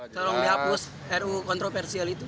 tolong dihapus ru kontroversial itu